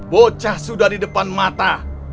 bocah sudah di depan mata